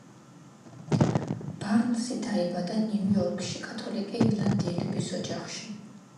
ბარნსი დაიბადა ნიუ-იორკში კათოლიკე ირლანდიელების ოჯახში.